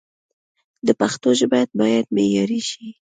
د پښتو ژبه باید معیاري شي